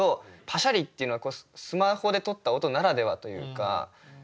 「パシャリ」っていうのはスマホで撮った音ならではというか。